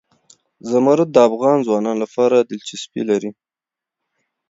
زمرد د افغان ځوانانو لپاره دلچسپي لري.